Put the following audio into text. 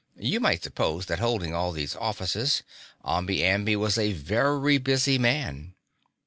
You might suppose that, holding all these offices, Omby Amby was a very busy man.